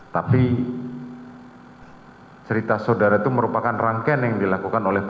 tapi cerita saudara itu merupakan rangkaian yang dilakukan oleh